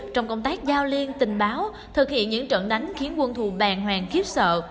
trong công tác giao liên tình báo thực hiện những trận đánh khiến quân thù bàng hoàng khiếp sợ